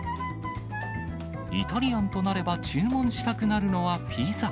イタリアンとなれば、注文したくなるのはピザ。